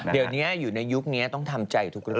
เดี๋ยวอยู่ในยุคนี้ต้องทำใจทุกคน